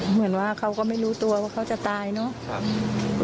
เหมือนว่าเขาก็ไม่รู้ตัวว่าเขาจะตายเนาะ